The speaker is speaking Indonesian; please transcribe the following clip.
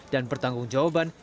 dan pertanggung jawaban